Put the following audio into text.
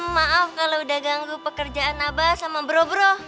maaf kalau udah ganggu pekerjaan abah sama bro bro